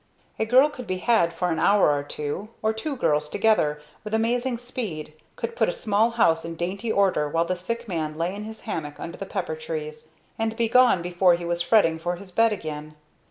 A girl could be had for an hour or two; or two girls, together, with amazing speed, could put a small house in dainty order while the sick man lay in his hammock under the pepper trees; and be gone before he was fretting for his bed again.